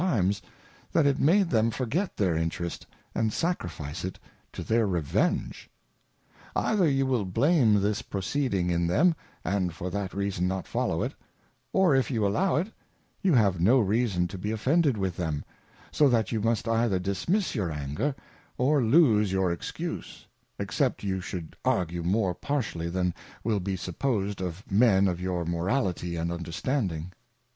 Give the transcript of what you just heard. times, thaLlt made ^hem forget their Interest, and sacdficeJbt, to. their,,R.ey.£iige._. Either you will blame this Proceeding in them, and for that reason not follow it, or if you allow it, you have no reason to be offended with them; so that you must either dismiss your Anger, or lose your Excuse ; except j'ou should argue more partially than will be supposed of Men of your Morality and Understanding.